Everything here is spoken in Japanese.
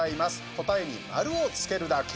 答えに丸をつけるだけ。